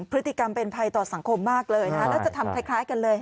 พฤติกรรมเป็นภัยต่อสังคมมากเลยแล้วจะทำคล้ายกันเลย